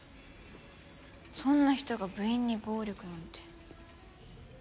そんな人が部員に暴力なんて。